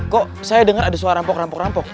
kok saya dengar ada suara rampok rampok rampok